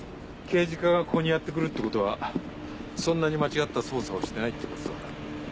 刑事課がここにやってくるってことはそんなに間違った捜査をしてないってことさ。